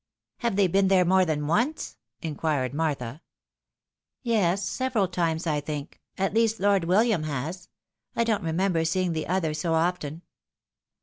'' Have they been there more than once ?" inquired Martha. " Yes, several times, I think — at least Lord WiUiam has. I don't remember seeing the other so often."